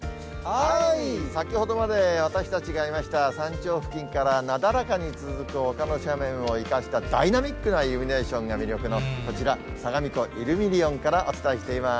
先ほどまで私たちがいました山頂付近からなだらかに続く丘の斜面を生かした、ダイナミックなイルミネーションが魅力のこちら、相模湖イルミニオンからお伝えしています。